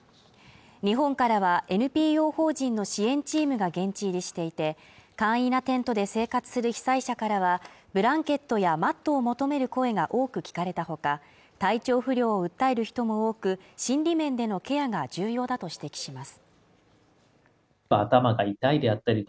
日本からはＮＰＯ法人の支援チームが現地入りしていて簡易なテントで生活する被災者からはブランケットやマットを求める声が多く聞かれたほか体調不良を訴える人も多く心理面でのケアが重要だと指摘します